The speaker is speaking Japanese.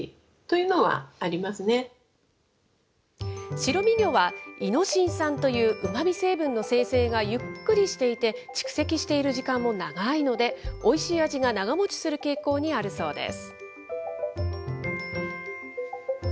白身魚は、イノシン酸といううまみ成分の生成がゆっくりしていて、蓄積している時間も長いので、おいしい味が長もちする傾向にあるそうです。